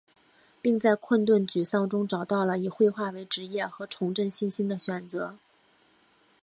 并在困顿沮丧中找到了以绘画为职业和重振信心的选择。